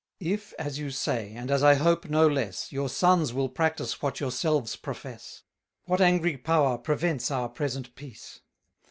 If, as you say, and as I hope no less, Your sons will practise what yourselves profess, What angry power prevents our present peace?